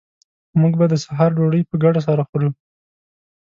موږ به د سهار ډوډۍ په ګډه سره خورو